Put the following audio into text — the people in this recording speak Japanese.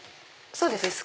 そうです。